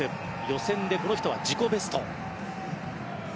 予選でこの人は自己ベスト。